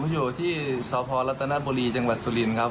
อยู่ที่สพรัฐนบุรีจังหวัดสุรินครับ